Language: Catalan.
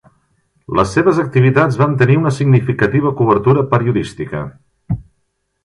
Les seves activitats van tenir una significativa cobertura periodística.